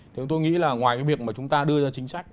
thì tôi nghĩ là ngoài cái việc mà chúng ta đưa ra chính sách